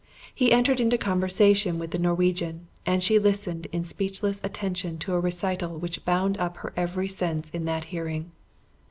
He entered into conversation with the Norwegian, and she listened in speechless attention to a recital which bound up her every sense in that hearing.